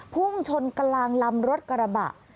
พุ่งชนกลางลำรถกระบะ